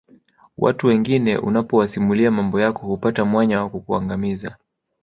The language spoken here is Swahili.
Watu wengine unapowasimulia mambo yako hupata mwanya wa kukuangamiza